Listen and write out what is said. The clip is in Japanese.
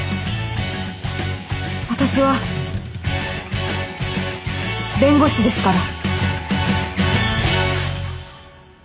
私は弁護士ですから。